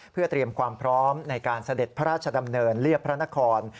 เพื่อเตรียมความพร้อมในการเสด็จพระราชดำเนินเรียบพระนคร